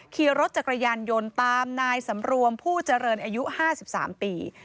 ขี่รถจักรยานยนต์ตามนายสำรวมผู้เจริญอายุ๕๓ปี